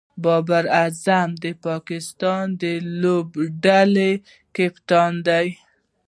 بابر اعظم د پاکستان لوبډلي کپتان دئ.